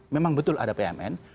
memang betul ada bumn